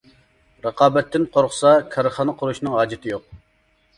رىقابەتتىن قورقسا كارخانا قۇرۇشنىڭ ھاجىتى يوق.